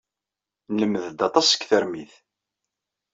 Nlemmed-d aṭas seg termit.